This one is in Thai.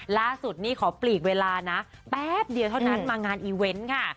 ล่าสุดนี่ขอปลีกเวลานะแป๊บเดียวเท่านั้นมางานอีเวนต์ค่ะ